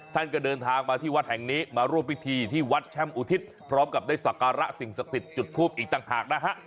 ท่านจะเดินทางมาที่วัดแห่งนี้มารวมวิธีที่วัตชมุษฎพร้อมกับสัรกะระสิ่งศกษิตธุ์จุดภูมิอีกต่างหากนะฮะ